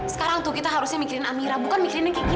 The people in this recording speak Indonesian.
sekarang tuh kita harusnya mikirin amira bukan mikirinnya kayak gini